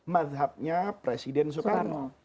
madhabnya presiden soekarno